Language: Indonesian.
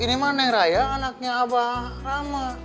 ini mah neng raya anaknya abah rama